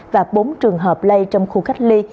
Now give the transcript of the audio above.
và bốn trường hợp lây trong khu cách ly